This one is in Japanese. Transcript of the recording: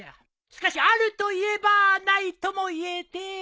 しかしあるといえばないともいえて。